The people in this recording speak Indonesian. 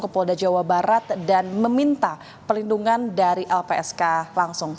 polda jawa barat dan meminta perlindungan dari lpsk langsung